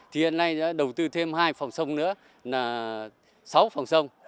thì hiện nay đã đầu tư thêm hai phòng sông nữa là sáu phòng sông